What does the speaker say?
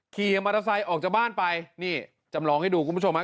ขี่มอเตอร์ไซค์ออกจากบ้านไปนี่จำลองให้ดูคุณผู้ชมฮะ